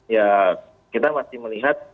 ya kita masih melihat